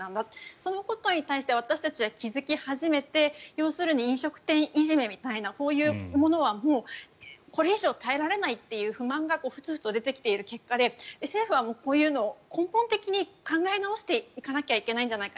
そのことに対して私たちは気付き始めて要するに飲食店いじめみたいなこういうものはもうこれ以上耐えられないという不満がふつふつと出てきている結果で政府はこういうのを根本的に考え直していかないといけないんじゃないか。